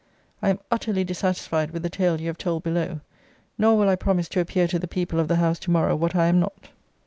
I am utterly dissatisfied with the tale you have told below. Nor will I promise to appear to the people of the house to morrow what I am not.